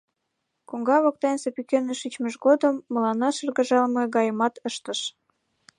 Коҥга воктенсе пӱкеныш шичмыж годым мыланна шыргыжалме гайымат ыштыш.